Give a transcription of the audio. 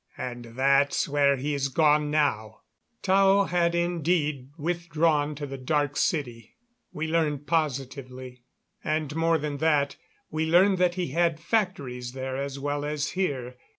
"And that's where he has gone now." Tao had indeed withdrawn to the Dark City, we learned positively. And more than that, we learned that he had factories there as well as here.